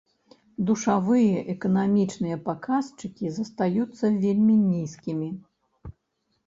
Душавыя эканамічныя паказчыкі застаюцца вельмі нізкімі.